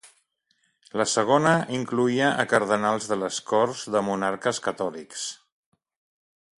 La segona incloïa a cardenals de les corts de monarques catòlics.